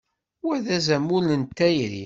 Wa d azamul n tayri.